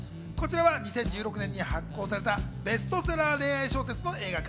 ２０１６年に発行されたベストセラー恋愛小説の映画化。